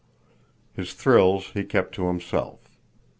His thrills he kept to himself.